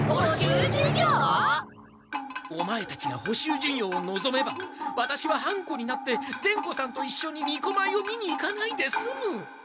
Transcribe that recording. オマエたちが補習授業をのぞめばワタシは半子になって伝子さんと一緒にみこまいを見に行かないですむ。